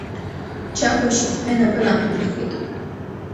Чагә ашьацҳәа инапы нақәирххеит.